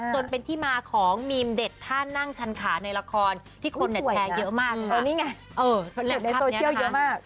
จนเป็นที่มาของมีมเด็ดท่านั่งชันขาในละครที่คนแชร์เยอะมากนี่ไงในโซเชียลเยอะมาก